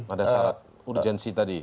ada syarat urgensi tadi